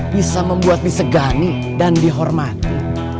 bisa membuat disegani dan dihormati